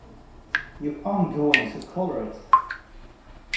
You aren't going to collar it!